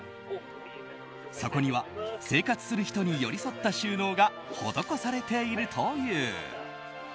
そこには生活する人に寄り添った収納が施されているという。